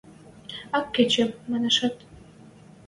– Ак кычеп, машанет?